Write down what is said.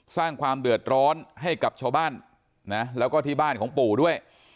สร้างความเดือดร้อนให้กับชาวบ้านนะแล้วก็ที่บ้านของปู่ด้วย